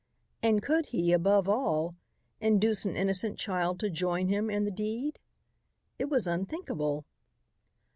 And could he, above all, induce an innocent child to join him in the deed? It was unthinkable.